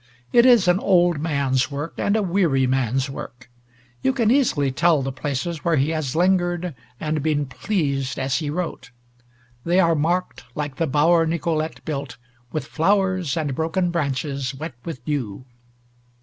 It is an old man's work, and a weary man's work. You can easily tell the places where he has lingered, and been pleased as he wrote. They are marked, like the bower Nicolete built, with flowers and broken branches wet with dew.